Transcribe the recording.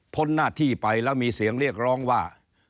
หน้าที่ไปแล้วมีเสียงเรียกร้องว่า